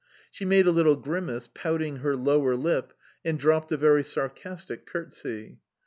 She made a little grimace, pouting her lower lip, and dropped a very sarcastic curtsey.